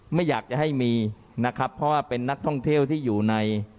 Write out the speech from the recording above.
ไม่อยากจะให้มีนะครับเพราะว่าเป็นนักท่องเที่ยวที่อยู่ใน